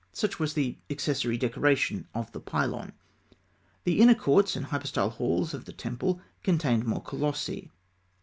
Such was the accessory decoration of the pylon. The inner courts and hypostyle halls of the temple contained more colossi.